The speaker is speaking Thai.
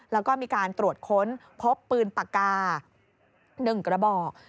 แล้วก็มีการตรวจค้นพบปืนปากกา๑กระบอก